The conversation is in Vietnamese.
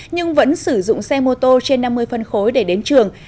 nhưng vẫn sử dụng xe mô tô trên năm mươi phân khối để đến trường